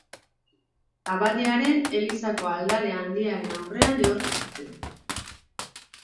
Abadiaren elizako aldare handiaren aurrean ehortzi zuten.